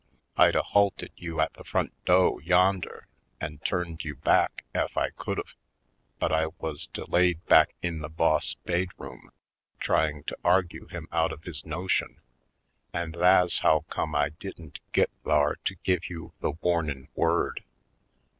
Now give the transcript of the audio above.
I'd a halted you at the front do' yonder an' turned you back ef I could've, but I wuz delayed back in the boss' baid room tryin' to argue him out of his notion an' tha's how come I didn't git thar to give you the warnin' word.